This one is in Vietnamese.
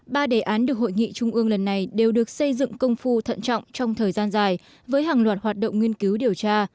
ba đề án được hội nghị trung ương lần này đều được xây dựng công phu thận trọng trong thời gian dài với hàng loạt hoạt động nghiên cứu điều tra